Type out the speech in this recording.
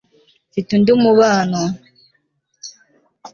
mfite undi mubano